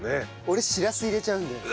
俺しらす入れちゃうんだよ。